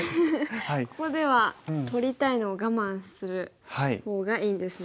ここでは取りたいのを我慢する方がいいんですね。